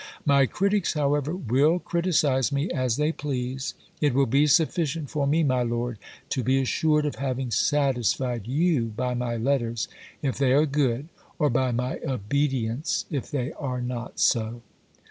My critics, however, will criticise me as they please. It will be sufficient for me, my Lord, to be assured of having satisfied you, by my letters, if they are good; or by my obedience, if they are not so.